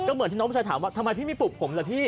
เหมือนที่น้องผู้ชายถามว่าทำไมพี่ไม่ปลุกผมล่ะพี่